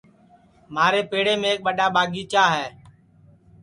مھارے پیڑیم ایک ٻڈؔا ٻاگیچا ہے